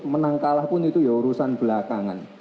menang kalah pun itu ya urusan belakangan